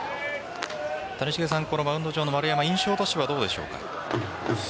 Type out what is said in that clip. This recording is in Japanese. このマウンド上の丸山印象としてはどうでしょうか？